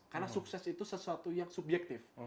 karena sukses itu sesuatu yang subjektif